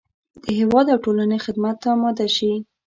د هېواد او ټولنې خدمت ته اماده شي.